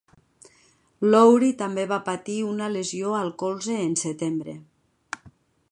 Lowry també va patir una lesió al colze en setembre.